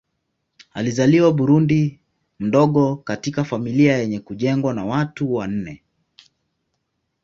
Alizaliwa Burundi mdogo katika familia yenye kujengwa na watu wa nane.